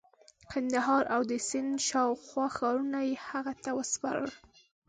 قندهار او د سند شاوخوا ښارونه یې هغه ته وسپارل.